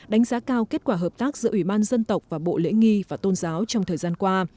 đánh giá cao kết quả hợp tác giữa ủy ban dân tộc và bộ lễ nghi và tôn giáo trong thời gian qua